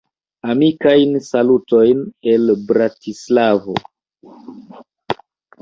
Amikajn salutojn el Bratislavo!